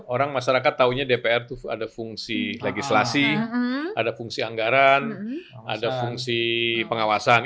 orang masyarakat taunya dpr itu ada fungsi legislasi ada fungsi anggaran ada fungsi pengawasan